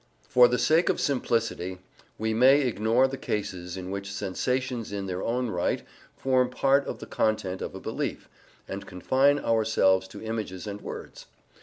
For the sake of simplicity, we may ignore the cases in which sensations in their own right form part of the content of a belief, and confine ourselves to images and words.